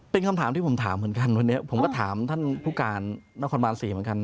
เป็นคำถามที่ผมถามเหมือนกันวันนี้ผมก็ถามท่านผู้การนครบาน๔เหมือนกัน